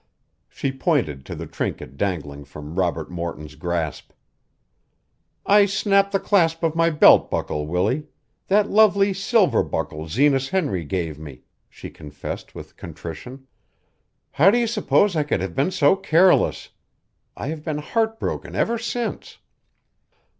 She pointed to the trinket dangling from Robert Morton's grasp. "I snapped the clasp of my belt buckle, Willie that lovely silver buckle Zenas Henry gave me," she confessed with contrition. "How do you suppose I could have been so careless? I have been heart broken ever since."